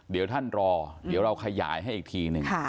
เดี๋ยวท่านรอเดี๋ยวเราขยายให้อีกทีหนึ่ง